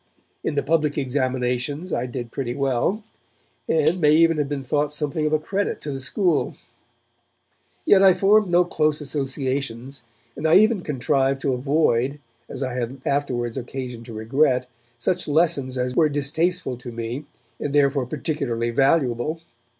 In the public examinations I did pretty well, and may even have been thought something of a credit to the school. Yet I formed no close associations, and I even contrived to avoid, as I had afterwards occasion to regret, such lessons as were distasteful to me, and therefore particularly valuable.